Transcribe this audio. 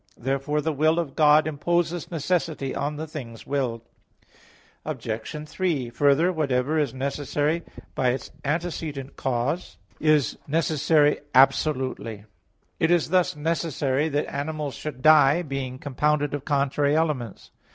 Therefore the will of God imposes necessity on the things willed. Obj. 3: Further, whatever is necessary by its antecedent cause is necessary absolutely; it is thus necessary that animals should die, being compounded of contrary elements.